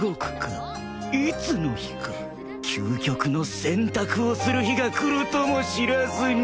いつの日か究極の選択をする日が来るとも知らずに。